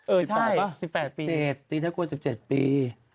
เออใช่๑๘ปี๑๘ปีตีถ้ากว่า๑๗ปี